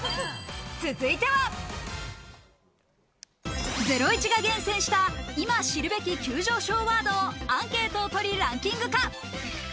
続いては、『ゼロイチ』が厳選した今、知るべき急上昇ワードをアンケートをとりランキング化。